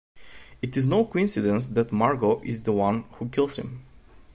It is no coincidence that Margot is the one who kills him.